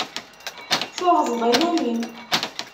Turzeḍ iman-im.